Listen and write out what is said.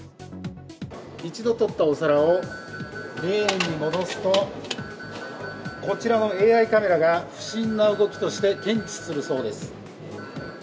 一度取ったお皿を、レーンに戻すと、こちらのＡＩカメラが不審な動きとして検知するそうです。